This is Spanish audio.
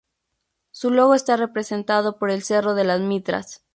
Su logo está representado por el cerro de las Mitras.